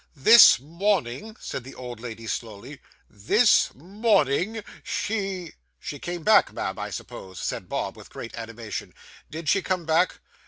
'This morning,' said the old lady slowly 'this morning, she ' 'She came back, ma'am, I suppose,' said Bob, with great animation. 'Did she come back?